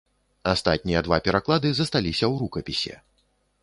Астатнія два пераклады засталіся ў рукапісе.